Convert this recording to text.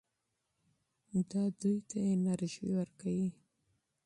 دا دوی ته انرژي ورکوي.